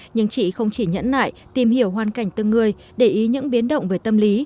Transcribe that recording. nhưng chị không chỉ nhẫn nại tìm hiểu hoàn cảnh từng người để ý những biến động về tâm lý